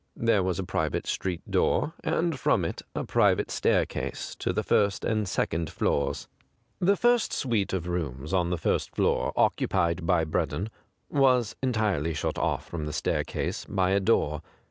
There was a private street door, and from it a private staircase to the first and second floors. The suite of rooms on the first floor, occupied by Breddon, was entirely shut off from the staircase by a door.